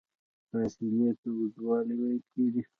فاصلې ته اوږدوالی ویل کېږي.